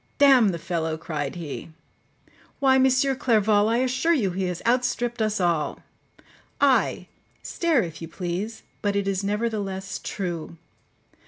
"D—n the fellow!" cried he; "why, M. Clerval, I assure you he has outstript us all. Ay, stare if you please; but it is nevertheless true.